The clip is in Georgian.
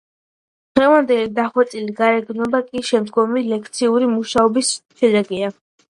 დღევანდელი დახვეწილი გარეგნობა კი შემდგომი სელექციური მუშაობის შედეგია.